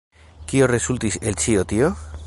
Kio rezultis el ĉio tio?